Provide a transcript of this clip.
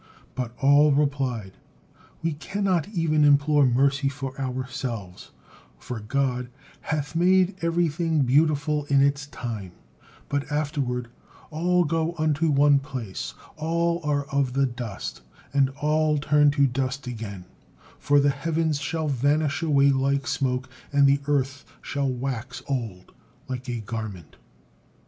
But all replied: "We cannot even implore mercy for ourselves, for God 'hath made everything beautiful in its time,' but afterward, 'all go unto one place, all are of the dust, and all turn to dust again,' 'for the heaven shall vanish away like smoke, and the earth shall wax old like a garment.'"